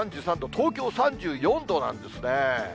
東京３４度なんですね。